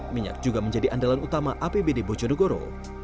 minyak juga menjadi andalan utama apbd bojonegoro